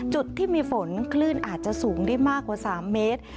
จุดที่มีฝนคลื่นอาจจะสูงได้มากกว่า๓เมตร